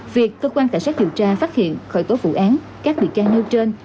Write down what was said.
việc cơ quan cảnh sát điều tra phát hiện khởi tố vụ án các bị can nêu trên